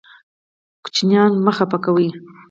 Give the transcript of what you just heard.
ماشومان مه خفه کوئ.